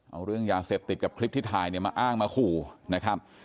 เอาเรื่องยาเสพติดกับคลิปที่ถ่ายเนี่ยมาอ้างมาขู่นะครับ